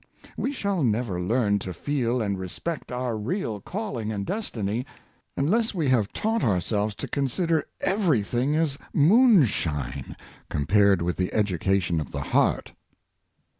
We shall never learn Character Above Wealth, 63 to feel and respect our real calling and destiny, unless we have taught ourselves to consider every thing as moonshine, compared with the education of the heart."